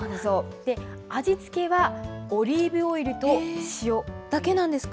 味付けはオリーブオイルと塩。だけなんですか？